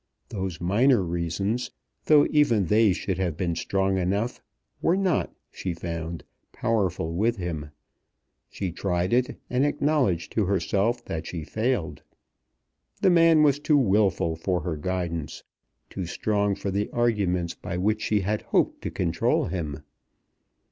Those minor reasons, though even they should have been strong enough, were not, she found, powerful with him. She tried it, and acknowledged to herself that she failed. The man was too wilful for her guidance, too strong for the arguments by which she had hoped to control him.